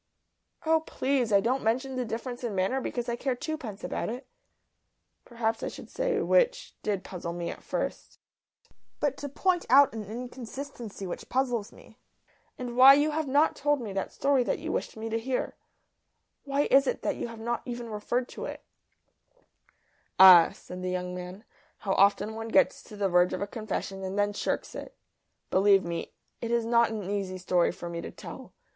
"Oh, please! I don't mention the difference in manner because I care twopence about it, but to point out an inconsistency which puzzles me perhaps I should say which did puzzle me at first. And why have you not told me that story that you wished me to hear. Why is it that you have not even referred to it?" "Ah," said the young man, "how often one gets to the verge of a confession and then shirks it! Believe me, it is not an easy story for me to tell.